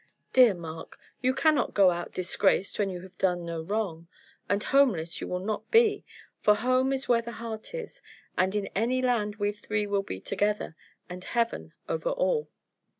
"Dear Mark, you cannot go out disgraced when you have done no wrong; and homeless you will not be, for home is where the heart is, and in any land we three will be together, and Heaven over all."